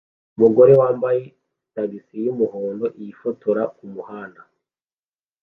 Umugore wambaye tagisi yumuhondo yifotoza kumuhanda